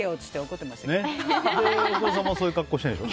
って大久保さんもそういう格好してるでしょ？